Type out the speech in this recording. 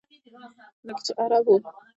لکه چې عرب و.